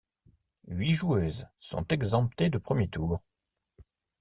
Huit joueuses sont exemptées de premier tour.